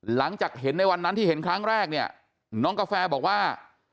หลังจากเห็นในวันนั้นที่เห็นครั้งแรกเนี่ยน้องกาแฟบอกว่า